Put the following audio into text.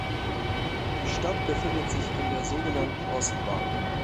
Die Stadt befindet sich an der so genannten Ostbahn.